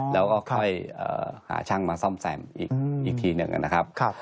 แล้วก็ค่อยหาช่างมาซ่อมแซมอีกทีหนึ่งนะครับ